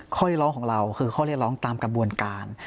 ข้อเรียกร้องของเราคือข้อเรียกร้องตามกระบวนการ